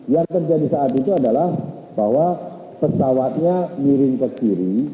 yang terjadi saat itu adalah bahwa pesawatnya miring ke kiri